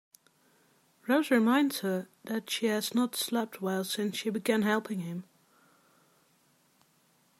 Rose reminds her that she has not slept well since she began helping him.